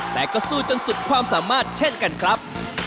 แต่ก็สู้จนสุดความสามารถเช่นกันครับ